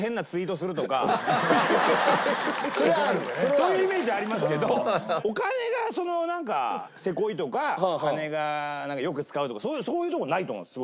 そういうイメージはありますけどお金がなんかせこいとか金がよく使うとかそういうとこないと思うんですよ。